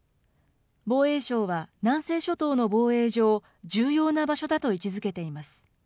防衛省は南西諸島の防衛上、重要な場所だと位置づけています。